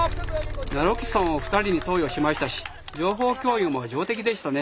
ナロキソンを２人に投与しましたし情報共有も上出来でしたね。